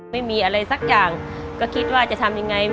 ไม่มีอะไรสักอย่างก็คิดว่าจะทำยังไง